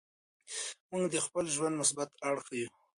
موږ د خپل ژوند مثبت اړخونه ښیو.